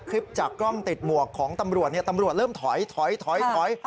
คลิปจากกล้องติดหมวกของตำรวจตำรวจเริ่มถอยถอย